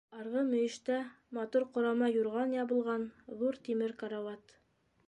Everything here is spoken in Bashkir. Арғы мөйөштә матур ҡорама юрған ябылған ҙур тимер карауат.